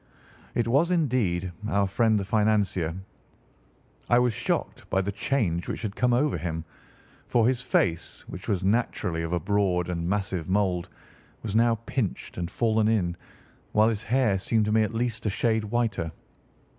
It was, indeed, our friend the financier. I was shocked by the change which had come over him, for his face which was naturally of a broad and massive mould, was now pinched and fallen in, while his hair seemed to me at least a shade whiter.